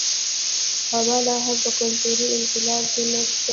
هوا لا هم په کلتوري انقلاب کې نښتی و.